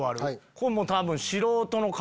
これ多分。